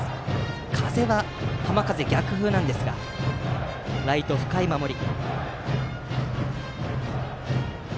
風は浜風で逆風なんですがライトは深い守り。